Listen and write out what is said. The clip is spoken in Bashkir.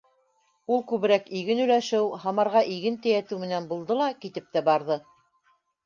Ул күберәк иген өләшеү, Һамарға иген тейәтеү менән булды ла китеп тә барҙы.